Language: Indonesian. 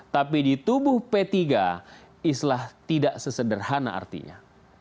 tapi di tubuh p tiga islah tidak sesederhana artinya